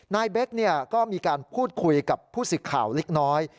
เบ๊กก็มีการพูดคุยกับผู้สิทธิ์ข่าวเล็กน้อย